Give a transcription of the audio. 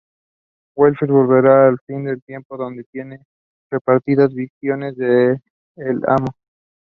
The operation was cancelled before any of the submarines could take part in it.